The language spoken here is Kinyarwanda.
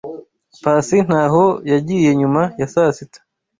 Pacy ntaho yagiye nyuma ya saa sita.